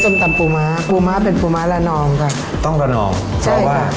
ตำปูม้าปูม้าเป็นปูม้าละนองค่ะต้องระนองใช่ว่า